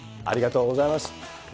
ありがとうございます。